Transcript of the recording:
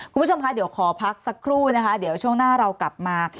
คุณผู้ชมคะเดี๋ยวขอพักสักครู่นะคะเดี๋ยวช่วงหน้าเรากลับมา